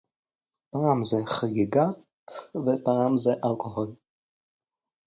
"פעם זה "חגיגת" ופעם זה אלכוהול"